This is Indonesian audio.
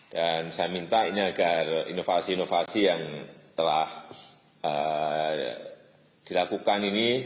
dan saya minta ini agar inovasi inovasi yang telah dilakukan ini